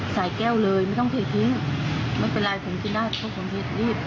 สายแก้วเลยไม่ต้องเททิ้งไม่เป็นไรผมกินได้เพราะผมผิดรีบ